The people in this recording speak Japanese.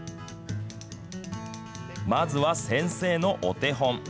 まずは先生のお手本。